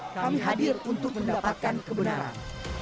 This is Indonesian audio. kami hadir untuk mendapatkan kebenaran